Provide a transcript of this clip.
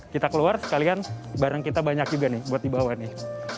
kita keluar sekalian barang kita banyak juga nih buat dibawa nih